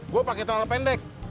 gua pake tanah pendek